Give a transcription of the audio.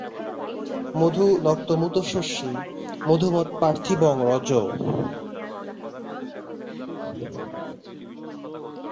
মধু নক্তমুতোষসি মধুমৎ পার্থিবং রজঃ।